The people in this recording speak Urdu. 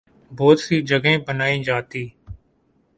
بہت سی جگہیں بنائی جاتی